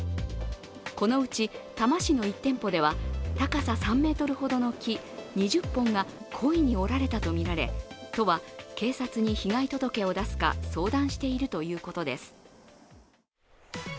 このうち多摩市の１店舗では高さ３ｍほどの木２０本が故意に折られたとみられ都は警察に被害届を出すか相談しているということです。